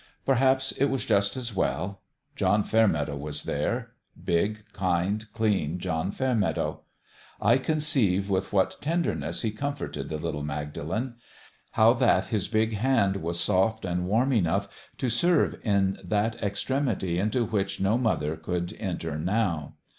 Perhaps it was just as well. John Fairmeadow was there big, kind, clean John Fairmeadow. I conceive with what tenderness he comforted the little Magdalen how that his big hand was soft and warm enough to serve in that extremity into which no mother could enter now.